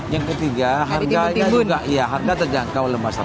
yang ketiga harganya juga iya harga terjangkau lemas